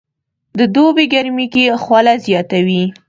د دوبي ګرمي کې خوله زياته وي